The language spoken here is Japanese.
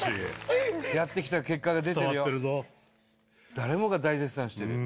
誰もが大絶賛してるよ。